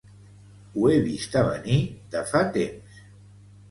Ho he vist a venir de fa temps.